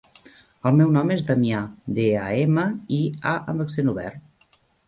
El meu nom és Damià: de, a, ema, i, a amb accent obert.